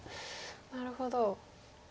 なるほど。